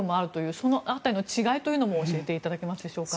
その辺りの違いも教えていただけますでしょうか。